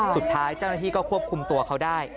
สุดท้ายเจ้าหน้าที่ก็ควบคุมตัวเขาได้